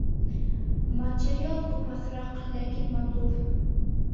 Материал тупаҫыраҡ, ләкин матур